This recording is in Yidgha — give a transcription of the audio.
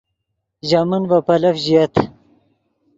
ژے من ڤے پیلف ژییت